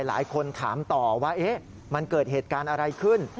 หลายคนถามต่อว่ามันเกิดเหตุการณ์อะไรขึ้น